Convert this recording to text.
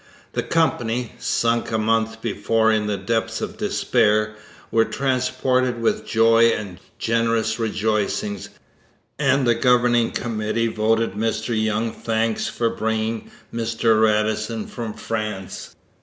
The Company, sunk a month before in the depths of despair, were transported with joy and generous rejoicings, and the Governing Committee voted Mr Young thanks for bringing Mr Radisson from France.